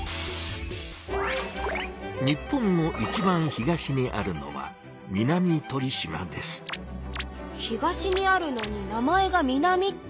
日本のいちばん東にあるのは東にあるのに名前が南って。